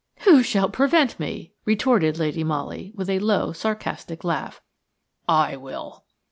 "Who shall prevent me?" retorted Lady Molly, with a low, sarcastic laugh. "I will."